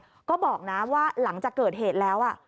แล้วก็บอกนะว่าหลังจากเกิดเหตุแล้ว